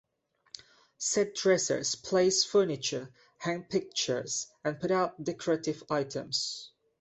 Set dressers place furniture, hang pictures, and put out decorative items.